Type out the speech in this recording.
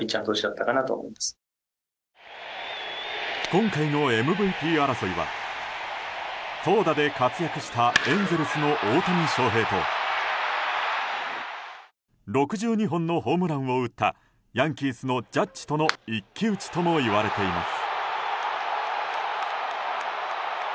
今回のＭＶＰ争いは投打で活躍したエンゼルスの大谷翔平と６２本のホームランを打ったヤンキースのジャッジとの一騎打ちともいわれています。